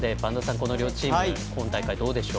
この両チーム今大会どうでしょう。